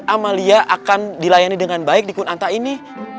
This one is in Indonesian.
amalia akan dilayani dengan baik di kunanta ini